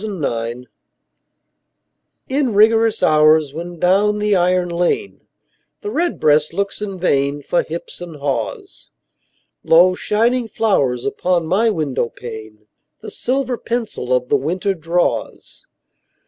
XVII—WINTER In rigorous hours, when down the iron lane The redbreast looks in vain For hips and haws, Lo, shining flowers upon my window pane The silver pencil of the winter draws.